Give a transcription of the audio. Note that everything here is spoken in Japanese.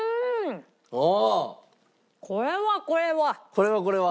これはこれは。